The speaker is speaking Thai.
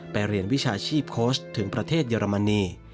เรียนวิชาชีพโค้ชถึงประเทศเยอรมนี